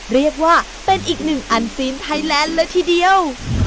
เรียกว่าเป็นอีกหนึ่งอันซีนไทยแลนด์เลยทีเดียว